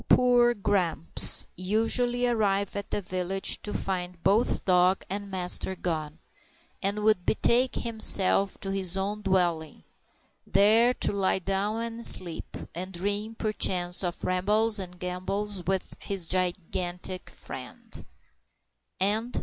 Poor Grumps usually arrived at the village to find both dog and master gone, and would betake himself to his own dwelling, there to lie down and sleep, and dream, perchance, of rambles and gambols with his gigantic friend.